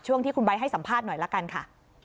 ช่วงที่คุณไบท์ให้สัมภาษณ์หน่อยละกันค่ะ